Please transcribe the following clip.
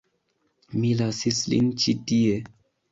Mi lasis lin ĉi tie.